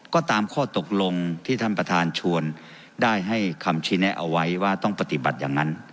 ก็ตามข้อตกลงที่ท่านประธานชวนได้ให้คำชี้แนะเอาไว้ว่าต้องปฏิบัติอย่างนั้น